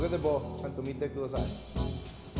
ちゃんとみてください。